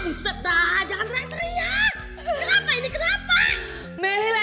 buset dah jangan teriak teriak